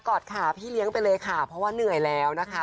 อดขาพี่เลี้ยงไปเลยค่ะเพราะว่าเหนื่อยแล้วนะคะ